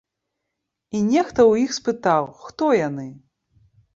І нехта ў іх спытаў, хто яны.